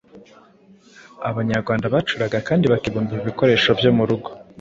Abanyarwanda bacuraga kandi bakibumbira ibikoresho byo mu rugo,